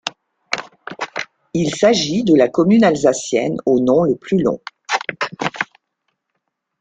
Il s'agit de la commune alsacienne au nom le plus long.